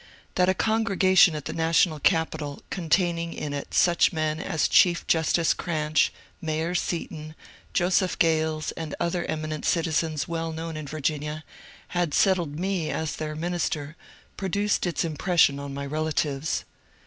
That a congregation at the national capital, containing in ^ it such men as Chief Justice Cranch, Mayor Seaton, Joseph Grales, and other eminent citizens well known in Virginia, had settled me as their minister produced its impression on my relatives.